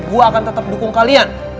gue akan tetap dukung kalian